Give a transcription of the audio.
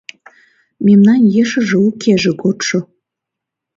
Мемнан ешыже укеже годшо